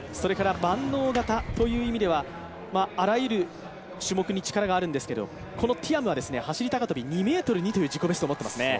万能型という意味では、あらゆる種目に力があるんですけどこのティアムは走高跳２ｍ２という自己ベストを持っていますね。